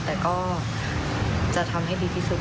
แต่ก็จะทำให้ดีที่สุด